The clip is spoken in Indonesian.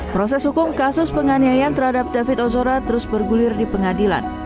proses hukum kasus penganiayaan terhadap david ozora terus bergulir di pengadilan